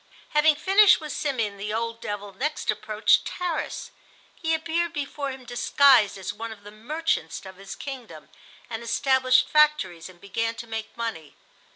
Having finished with Simeon, the old devil next approached Tarras. He appeared before him disguised as one of the merchants of his kingdom, and established factories and began to make money.